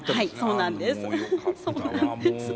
そうなんです。